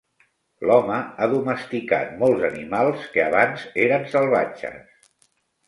L'home ha domesticat molts animals que abans eren salvatges.